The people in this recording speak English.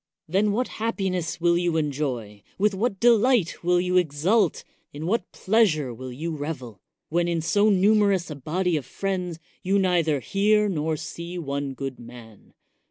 Then what happiness will you enjoy! with what delight will you exult! in what pleasure will you revel ! when in so numerous a body of friends, you neither hear nor see one good man.